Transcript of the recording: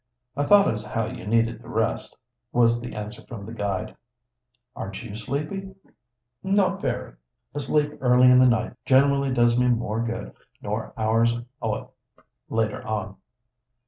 "I thought as how you needed the rest," was the answer from the guide. "Aren't you sleepy?" "Not very. A sleep early in the night generally does me more good nor hours o' it later on."